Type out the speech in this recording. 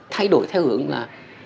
thay đổi theo hướng là